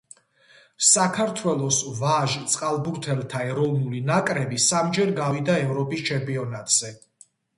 საქართველოს ვაჟ წყალბურთელთა ეროვნული ნაკრები სამჯერ გავიდა ევროპის ჩემპიონატზე.